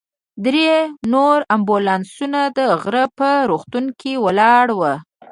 درې نور امبولانسونه د غره په روغتون کې ولاړ ول.